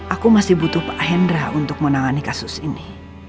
aku masih butuh pak hendra untuk menangani kasus ini